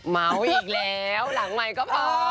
เมาอีกแล้วหลังใหม่ก็พอ